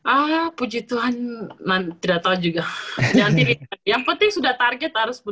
ah puji tuhan tidak tahu juga yang penting sudah target harus pun